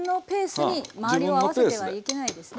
合わせてはいけないですね。